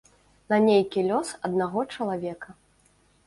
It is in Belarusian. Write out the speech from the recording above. На нейкі лёс аднаго чалавека.